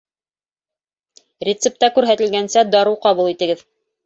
Рецепта күрһәтелгәнсә дарыу ҡабул итегеҙ